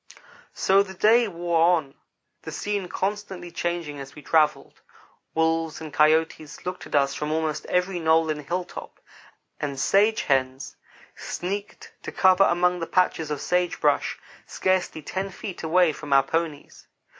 So the day wore on, the scene constantly changing as we travelled. Wolves and coyotes looked at us from almost every knoll and hilltop; and sage hens sneaked to cover among the patches of sage brush, scarcely ten feet away from our ponies.